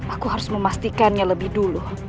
aku harus memastikannya lebih dulu